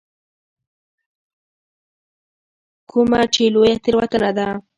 کومه چې لویه تېروتنه ده.